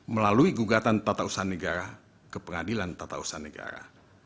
melalui gugatan tata usaha negara ke pengadilan tata usaha negara